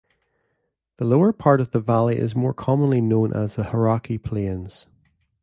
The lower part of the valley is more commonly known as the Hauraki Plains.